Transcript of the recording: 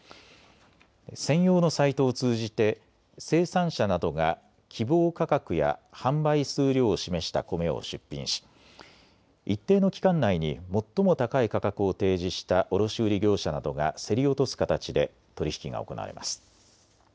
専用のサイトを通じて生産者などが希望価格や販売数量を示したコメを出品し一定の期間内に最も高い価格を提示した卸売業者などが競り落とす形で取り引きが行われます。